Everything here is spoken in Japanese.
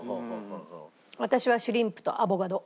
私はシュリンプとアボカド。